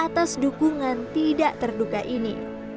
atas dukungan tidak terduga ini